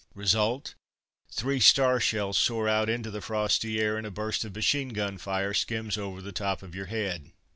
Result: three star shells soar out into the frosty air, and a burst of machine gun fire skims over the top of your head.